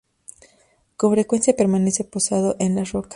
Con frecuencia permanece posado en las rocas.